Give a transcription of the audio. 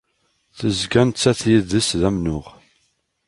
Tezga nettat yid-s d amennuɣ.